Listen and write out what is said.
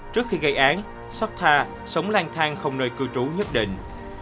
trước khi gây án sô tha sống lan thang không nơi cư trú nhất định